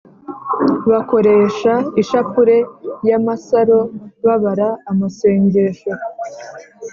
bakoresha ishapure y’amasaro babara amasengesho